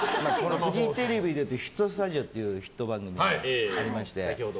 フジテレビでいうと「ヒットスタジオ」っていうヒット番組がありまして。